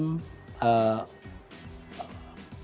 pemeriksaan oleh petugas lion air ini